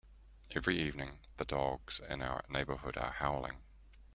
Every evening, the dogs in our neighbourhood are howling.